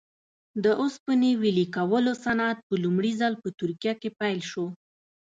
د اوسپنې ویلې کولو صنعت په لومړي ځل په ترکیه کې پیل شو.